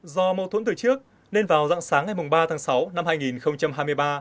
do mâu thuẫn từ trước nên vào dặng sáng ngày ba tháng sáu năm hai nghìn hai mươi ba